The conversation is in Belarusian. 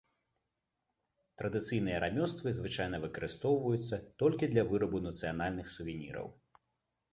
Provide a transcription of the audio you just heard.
Традыцыйныя рамёствы звычайна выкарыстоўваюцца толькі для вырабу нацыянальных сувеніраў.